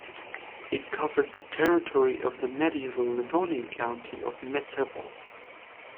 It covered the territory of the medieval Livonian county of Metsepole.